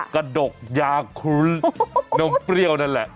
กระดกยาครุ้นนมเปรี้ยวนั่นแหละ